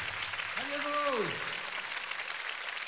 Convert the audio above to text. ありがとう！